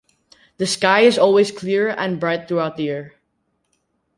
The sky is always clear and bright throughout the year.